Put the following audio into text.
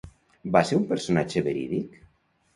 Va ser un personatge verídic?